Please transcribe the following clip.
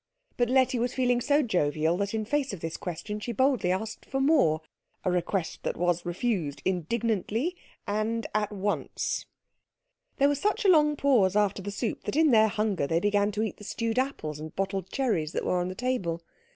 But Letty was feeling so jovial that in the face of this question she boldly asked for more a request that was refused indignantly and at once. There was such a long pause after the soup that in their hunger they began to eat the stewed apples and bottled cherries that were on the table.